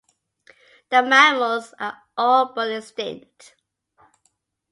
The mammals are all but extinct